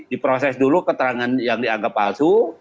diproses dulu keterangan yang dianggap palsu